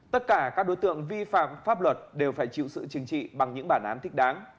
tất cả các đối tượng vi phạm pháp luật đều phải chịu sự chừng trị bằng những bản án thích đáng